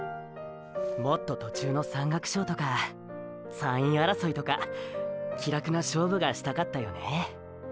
もっと途中の山岳賞とか３位争いとか気楽な勝負がしたかったよねぇー。